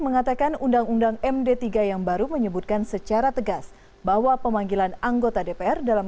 mengatakan undang undang md tiga yang baru menyebutkan secara tegas bahwa pemanggilan anggota dpr dalam